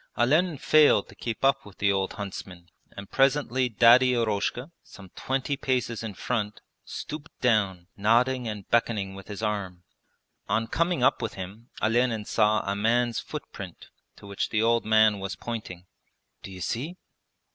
Olenin failed to keep up with the old huntsman and presently Daddy Eroshka, some twenty paces in front, stooped down, nodding and beckoning with his arm. On coming up with him Olenin saw a man's footprint to which the old man was pointing. 'D'you see?'